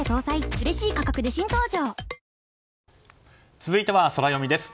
続いてはソラよみです。